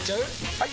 ・はい！